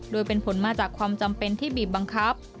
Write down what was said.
โดยเป็นผลมาจากความจำเป็นที่บีบบังคับ